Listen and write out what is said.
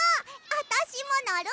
あたしものる！